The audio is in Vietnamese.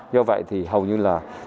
do vậy thì hầu như là